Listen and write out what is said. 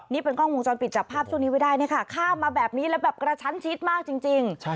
นี่เป็นกล้องวงจรปิดจับภาพช่วงนี้ไว้ได้เนี่ยค่ะข้ามมาแบบนี้แล้วแบบกระชั้นชิดมากจริง